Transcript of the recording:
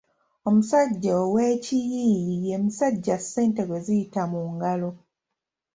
Omusajja ow’Ekiyiiyi ye musajja ssente gwe ziyita mu ngalo.